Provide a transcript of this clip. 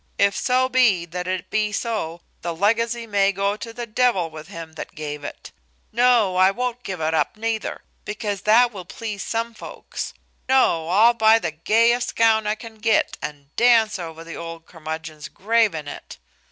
If so be that it be so, the legacy may go to the devil with him that gave it. No, I won't give it up neither, because that will please some folks. No, I'll buy the gayest gown I can get, and dance over the old curmudgeon's grave in it.